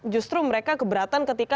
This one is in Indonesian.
justru mereka keberatan ketika